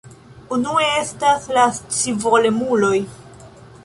Unue estas la scivolemuloj.